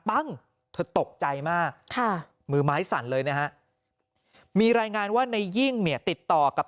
เธอตกใจมากค่ะมือไม้สั่นเลยนะฮะมีรายงานว่าในยิ่งเนี่ยติดต่อกับ